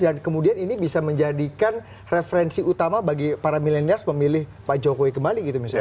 dan kemudian ini bisa menjadikan referensi utama bagi para milenials memilih pak jokowi kembali gitu misalnya